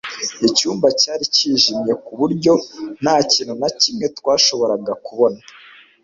icyumba cyari cyijimye ku buryo nta kintu na kimwe twashoboraga kubona